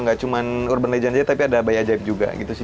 gak cuman urban legendary tapi ada bayi ajaib juga gitu sih